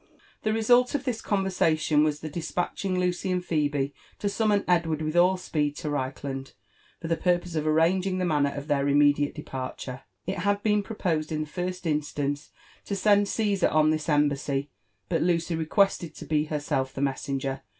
The result of this conversation was the despatching Lucy and Pbebe m LIFB AM A^VftNtUUS OV to BommoD Edward wilh all spe^ to Reichland, for the porpoae of arraoging the manner of their immediate departure. It had been propel in the first instance to send Ciesar on this embassy, but Lucy requested to be herself the messenger.